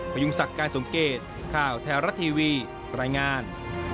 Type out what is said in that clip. พยุงสักการสงเกตข่าวแทรวรัตทีวีรายงาน